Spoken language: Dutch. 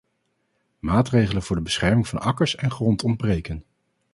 Maatregelen voor de bescherming van akkers en grond ontbreken.